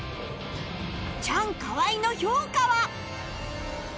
チャンカワイの評価は！？